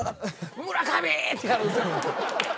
「村上！」ってやるんですよ。